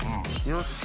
よし。